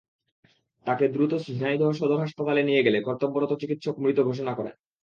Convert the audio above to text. তাঁকে দ্রুত ঝিনাইদহ সদর হাসপাতালে নিয়ে গেলে কর্তব্যরত চিকিৎসক মৃত ঘোষণা করেন।